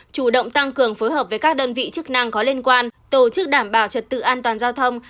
chủ động tăng cường phối hợp với các đơn vị chức năng có liên quan tổ chức đảm bảo trật tự an toàn giao thông